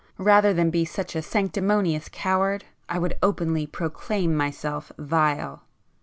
Rather than be such a sanctimonious coward I would openly proclaim myself vile!"